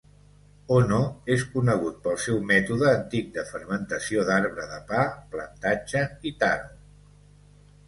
Ono és conegut pel seu mètode antic de fermentació d'arbre de pa, plantatge i taro.